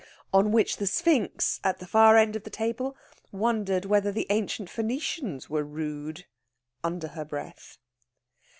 On which the Sphinx, at the far end of the table, wondered whether the ancient Phoenicians were rude, under her breath.